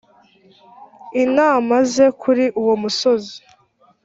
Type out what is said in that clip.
I namaze kuri uwo musozi